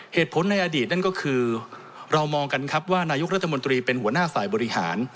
เหตุผลในอดีตนั่นก็คือเรามองกันครับว่านายกรัฐมนตรีเป็นหัวหน้าฝ่ายบริหาร